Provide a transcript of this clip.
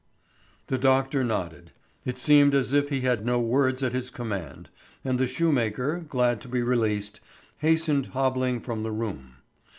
The doctor nodded; it seemed as if he had no words at his command, and the shoemaker, glad to be released, hastened hobbling from the room.